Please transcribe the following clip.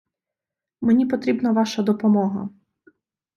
Мені потрібна ваша допомога.